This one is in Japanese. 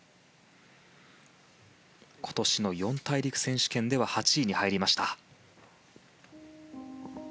今年の四大陸選手権では８位に入りました。